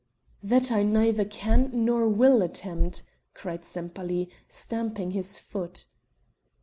"That I neither can nor will attempt," cried Sempaly, stamping his foot.